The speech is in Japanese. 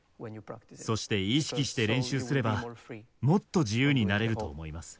そして意識して練習すればもっと自由になれると思います。